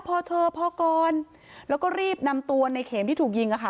พอเธอพอก่อนแล้วก็รีบนำตัวในเข็มที่ถูกยิงอะค่ะ